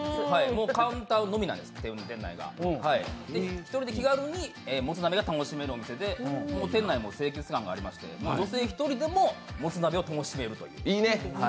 カウンターがあって、１人で気軽にもつ鍋が楽しめるお店で店内も清潔感がありまして女性１人でももつ鍋を楽しめるという。